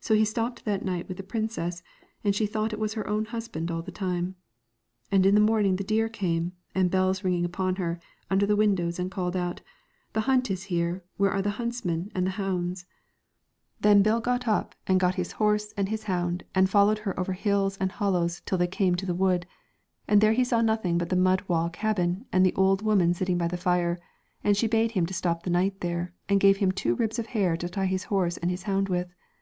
So he stopped that night with the princess, and she thought it was her own husband all the time. And in the morning the deer came, and bells ringing on her, under the windows, and called out, ' The hunt is here, where are the huntsmen and the hounds ?' Then Bill got up and got his horse and his 227 The hound, and followed her over hills and Twilight, hollows till they came to the wood, and there he saw nothing but the mud wall cabin and the old woman sitting by the fire, and she bade him stop the night there, and gave him two ribs of hair to tie his horse and his hound with.